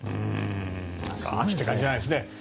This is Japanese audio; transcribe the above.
秋って感じじゃないですね。